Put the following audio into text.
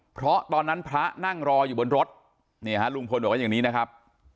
เพราะตอนนั้นพระนั่งรออยู่บนรถนี่ฮะลุงพลบอกว่าอย่างนี้นะครับ